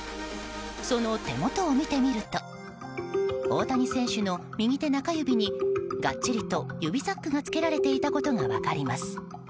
その手元を見てみると大谷選手の右手中指にがっちりと指サックがつけられていたことが分かります。